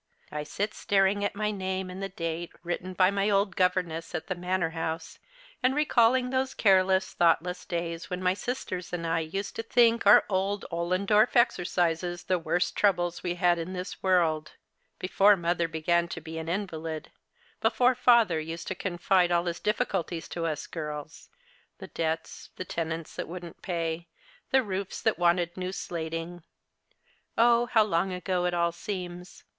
I sit staring at my name and the date, written l)y my old governess at the Manor House, and recalling those careless, thoughtless days when my sisters and I used to think our Ollendorff exercises the worst troubles we had in this world — before mother began to be an invalid — before father used to confide all his difficulties to us girls — the debts, the tenants that wouldn't pay, the roofs that wanted new slating. Oh, how long ago it all seems